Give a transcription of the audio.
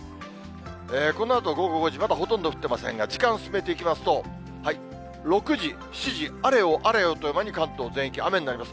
このあと午後５時、まだほとんど降ってませんが、時間進めていきますと、６時、７時、あれよあれよという間に関東全域雨になります。